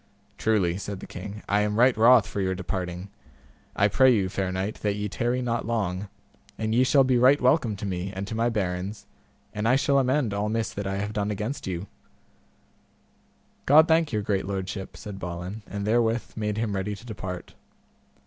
Truly, said the king, I am right wroth for your departing; I pray you, fair knight, that ye tarry not long, and ye shall be right welcome to me, and to my barons, and I shall amend all miss that I have done against you; God thank your great lordship, said Balin, and therewith made him ready to depart.